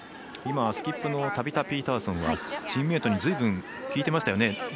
スキップのタビタ・ピーターソンはチームメートにずいぶん聞いてましたよね。